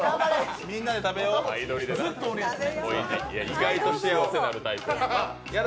意外と幸せになるタイプ。